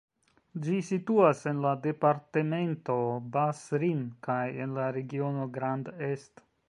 Ĝi situas en la departemento Bas-Rhin kaj en la regiono Grand Est.